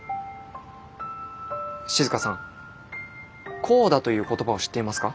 静さんコーダという言葉を知っていますか？